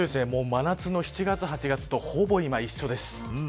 真夏の７月８月とほぼ一緒です。